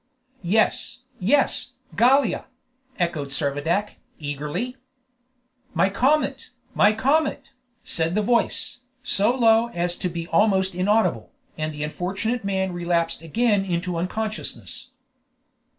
"Yes, yes! Gallia!" echoed Servadac, eagerly. "My comet, my comet!" said the voice, so low as to be almost inaudible, and the unfortunate man relapsed again into unconsciousness.